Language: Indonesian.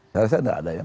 saya rasa tidak ada ya